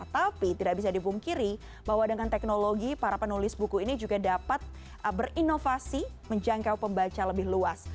tapi tidak bisa dibungkiri bahwa dengan teknologi para penulis buku ini juga dapat berinovasi menjangkau pembaca lebih luas